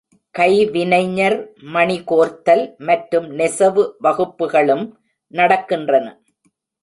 கைவினைஞர் மணிகோர்த்தல் மற்றும் நெசவு வகுப்புகளும் நடக்கின்றன.